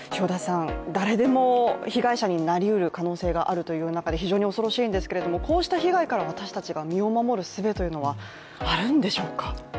誰でも被害者になりうる可能性があるという中で、非常に恐ろしいんですけれどもこうした被害から私たちが身を守るすべはあるんでしょうか？